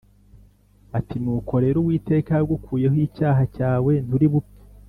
ati “Nuko rero Uwiteka yagukuyeho icyaha cyawe, nturi bupfe.